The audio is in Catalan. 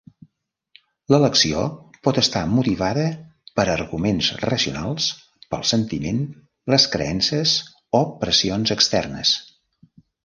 L'elecció pot estar motivada per arguments racionals, pel sentiment, les creences o pressions externes.